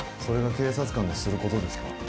それが警察官のすることですか